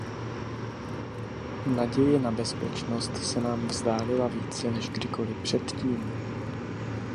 Naděje na bezpečnost se nám vzdálila více než kdykoli předtím.